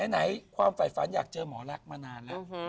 ไหนความฝันแผญหนากเจอหมอลักษณ์มานานแล้ว